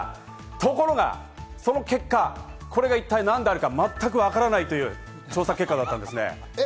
ところがその結果、これが一体何であるか、全くわからないという調査結果だったんです。